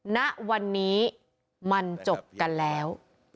ณวันนี้มันจบกันแล้ว